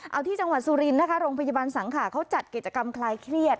เอาที่จังหวัดสุรินทร์นะคะโรงพยาบาลสังขาเขาจัดกิจกรรมคลายเครียด